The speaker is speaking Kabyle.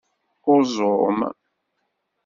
Uẓum.